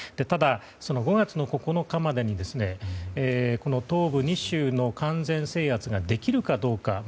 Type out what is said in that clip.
ただ、５月９日までに東部２州の完全制圧ができるかどうか。